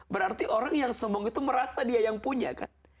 berarti orang yang sombong itu merasa dia yang punya kan